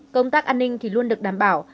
công tác an ninh thì luôn được đảm bảo